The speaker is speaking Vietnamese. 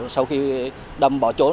sau khi đâm bỏ trốn